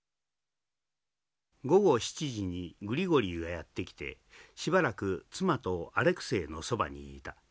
「午後７時にグリゴリーがやって来てしばらく妻とアレクセイのそばにいた。